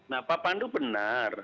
nah pak pandu benar